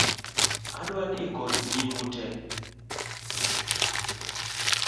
Adwa ndiko nying'u tee